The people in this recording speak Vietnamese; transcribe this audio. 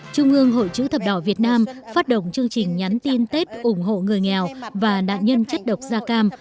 trung ương hội chữ thập đỏ việt nam phát động chương trình nhắn tin tết ủng hộ người nghèo và nạn nhân chất độc da cam